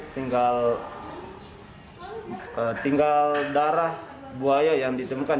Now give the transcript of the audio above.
tinggal darah buaya yang ditemukan